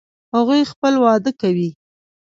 هغوی خپل واده کوي